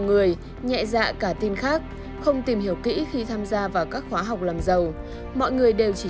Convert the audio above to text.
người nhẹ dạ cả tin khác không tìm hiểu kỹ khi tham gia vào các khóa học làm giàu mọi người đều chỉ